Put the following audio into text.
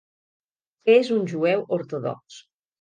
És un jueu ortodox.